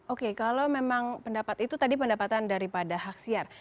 oke kalau memang pendapat itu tadi pendapatan daripada haksiar